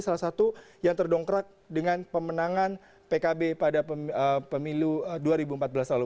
salah satu yang terdongkrak dengan pemenangan pkb pada pemilu dua ribu empat belas lalu